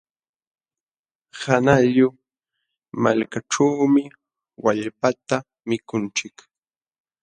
Qanqayllu malkaćhuumi wallpata mikunchik.